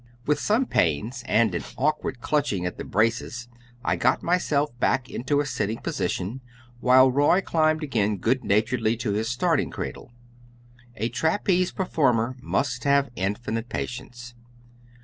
With some pains and an awkward clutching at the braces I got myself back into a sitting position, while Roy climbed again good naturedly to his starting cradle. A trapeze performer must have infinite patience.